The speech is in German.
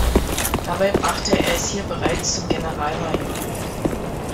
Dabei brachte er es hier bereits bis zum Generalmajor.